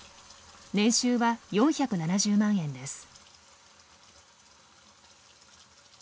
年収は４７０万円です。